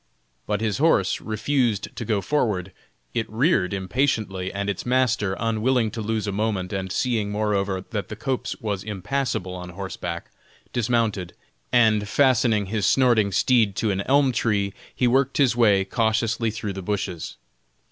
But his horse refused to go forward; it reared impatiently; and its master, unwilling to lose a moment, and seeing moreover that the copse was impassable on horseback, dismounted; and, fastening his snorting steed to an elm tree, he worked his way cautiously through the bushes.